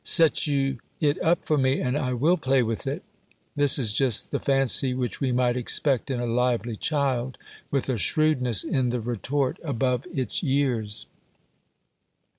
"Set you it up for me, and I will play with it." This is just the fancy which we might expect in a lively child, with a shrewdness in the retort above its years.